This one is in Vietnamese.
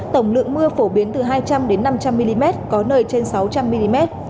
tổng lượng mưa phổ biến từ hai trăm linh năm trăm linh mm